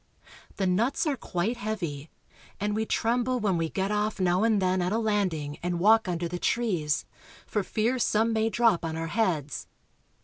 The nuts are quite heavy, and we trem ble when we get off now and then at a landing and walk under the trees, for fear some may drop on our heads.